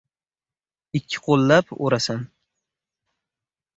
Ikki qo'llab o'rasan.